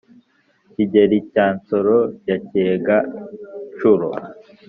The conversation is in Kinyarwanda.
kigeli cya nsoro ya kirega-ncuro,